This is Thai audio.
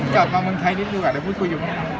เขาเข้าใจหรือครับ